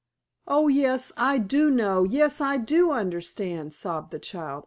"Oh, yes, I do know, yes I do understand," sobbed the child.